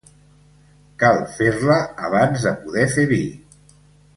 Cal fer-la abans per poder fer vi.